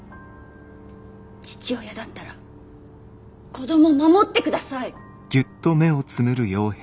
父親だったら子供守ってください。